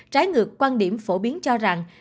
trái ngược quan điểm phổ biến cho rằng